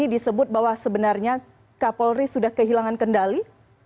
disebut bahwa sebenarnya kapolri sudah kehilangan kendali